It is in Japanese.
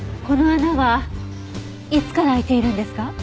この穴はいつから開いているんですか？